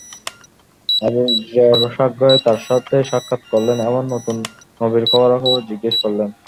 Abu Zar সাগ্রহে তার সাথে সাক্ষাৎ করলেন এবং নতুন নবীর খবরাখবর জিজ্ঞেস করলেন।